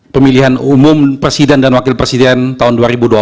pemilihan umum presiden dan wakil presiden tahun dua ribu dua puluh